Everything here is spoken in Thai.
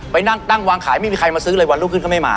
ไปนั่งตั้งวางขายไม่มีใครมาซื้อเลยวันรุ่งขึ้นก็ไม่มา